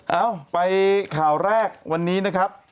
เอ้าไปข่าวแรกวันนี้นะครับ